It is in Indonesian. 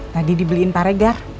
tadi dibeliin paregar